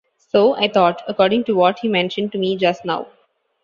So I thought, according to what he mentioned to me just now.